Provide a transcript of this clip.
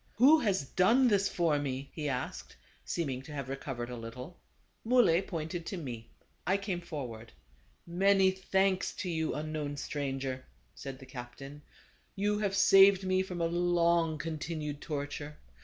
" Who has done this for me ?" he asked, seeming to have recovered a little. Muley pointed to me. I came forward. " Many thanks to you, unknown stranger," said the captain, "you have saved me from a long continued torture.